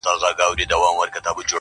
نه په ژوند کي یې څه پاته نه یې خوند وو.!